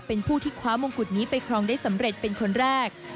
เป็นผู้ที่คว้ามงกุฎนี้ไปครองได้สำเร็จเป็นคนแรก